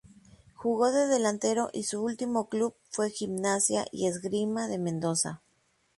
Jugó de delantero y su último club fue Gimnasia y Esgrima de Mendoza.